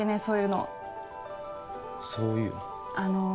そういうのそういうの？